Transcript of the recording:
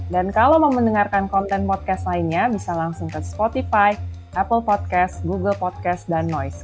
dan kalau mau mendengarkan konten podcast lainnya bisa langsung ke spotify apple podcast google podcast dan noise